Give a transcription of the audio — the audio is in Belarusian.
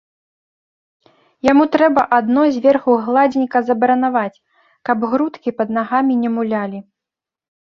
Яму трэба адно зверху гладзенька забаранаваць, каб грудкі пад нагамі не мулялі.